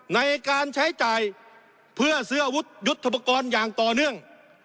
ในการใช้จ่ายเพื่อซื้ออาวุธยุทธปกรณ์อย่างต่อเนื่อง